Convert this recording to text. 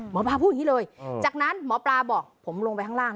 หมอปลาพูดอย่างนี้เลยจากนั้นหมอปลาบอกผมลงไปข้างล่าง